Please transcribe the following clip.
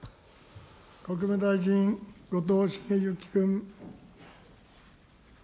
国務大臣、後藤茂之君。